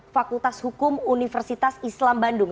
fakultas hukum universitas islam bandung